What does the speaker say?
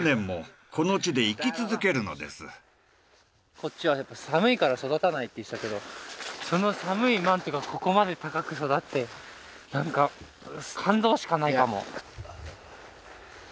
こっちは寒いから育たないって言ってたけどその寒いここまで高く育って何か感動しかないなもう。